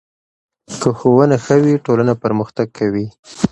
که ښوونه ښه وي، ټولنه پرمختګ کوي.